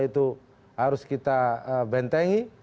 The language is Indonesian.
itu harus kita bentengi